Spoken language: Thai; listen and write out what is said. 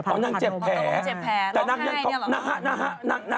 แต่ไน้นี้หรอ